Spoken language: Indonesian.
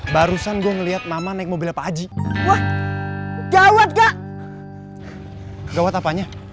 barusan gua ngeliat mama naik mobil apa aja wah gawat kak gawat apanya